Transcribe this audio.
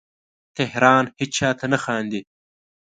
تهران هیچا ته نه خاندې